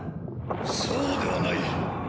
そうではない！